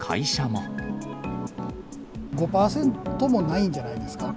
５％もないんじゃないんですか。